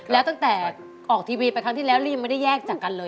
แล้วตั้งแต่ออกทีวีไปครั้งที่แล้วนี่ยังไม่ได้แยกจากกันเลย